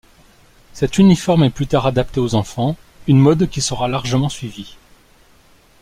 Cet uniforme est plus tard adapté aux enfants, une mode qui sera largement suivie.